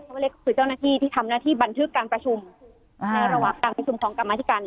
ว่าเล็กคือเจ้าหน้าที่ที่ทำหน้าที่บันทึกการประชุมในระหว่างการประชุมของกรรมธิการ